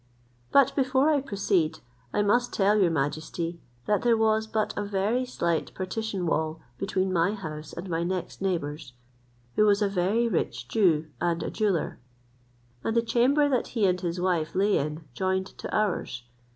But before I proceed, I must tell your majesty that there was but a very slight partition wall between my house and my next neighbour's, who was a very rich Jew, and a jeweller; and the chamber that he and his wife lay in joined to ours.